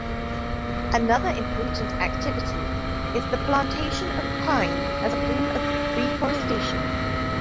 Another important activity is the plantation of pine as a form of reforestation.